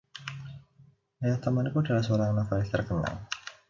Ayah temanku adalah seorang novelis terkenal.